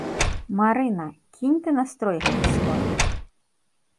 Марына, кінь ты настрой гэты свой.